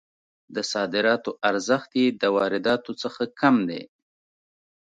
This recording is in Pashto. د صادراتو ارزښت یې د وارداتو څخه کم دی.